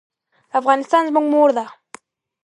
افغانستان زموږ مور ده